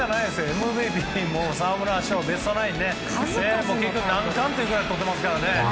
ＭＶＰ、沢村賞、ベストナイン何冠というぐらいとってますからね。